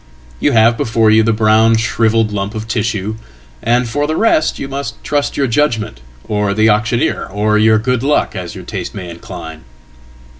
Youhave before you the brown shrivelled lump of tissue, and for the rest youmust trust your judgment, or the auctioneer, or your good luck, as yourtaste may incline.